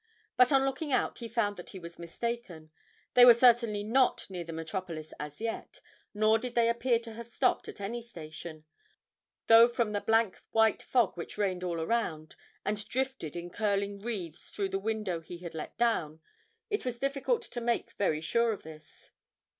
But on looking out he found that he was mistaken they were certainly not near the metropolis as yet, nor did they appear to have stopped at any station, though from the blank white fog which reigned all around, and drifted in curling wreaths through the window he had let down, it was difficult to make very sure of this.